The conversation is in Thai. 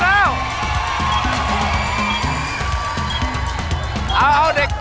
เอาเอาเด็ก